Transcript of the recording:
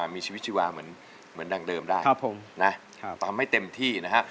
มีชีวิตชีวาเหมือนดังเดิมได้ครับผมนะครับต้องทำให้เต็มที่นะฮะ